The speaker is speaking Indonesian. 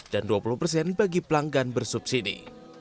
dan dua puluh persen bagi pelanggan bersubsidi